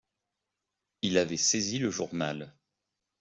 Il avait saisi le journal.